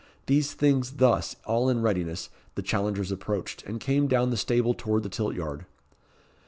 These things thus all in readiness, the challengers approached, and came down the stable toward the tilt yard."